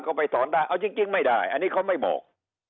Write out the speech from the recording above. ก็ไปสอนได้เอาจริงไม่ได้อันนี้เขาไม่บอก